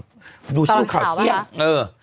ตอนข่าวบ้างดูชื่อข่าวเที่ยงเออ